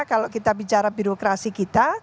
kalau kita bicara birokrasi kita